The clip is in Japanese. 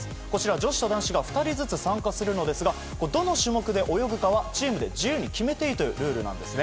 女子と男子が２人ずつ参加するのですが、どの種目で泳ぐかはチームで自由に決めていいというルールなんですね。